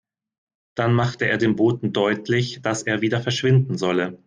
Dann machte er dem Boten deutlich, dass er wieder verschwinden solle.